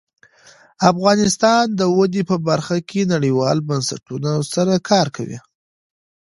افغانستان د وادي په برخه کې نړیوالو بنسټونو سره کار کوي.